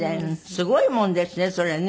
すごいもんですねそれね。